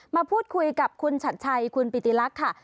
มาพูดคุยกับคุณชัดชัยคุณปิติลักษณ์ค่ะ